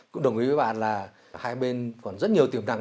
cũng đồng ý với bạn là hai bên còn rất nhiều tiềm năng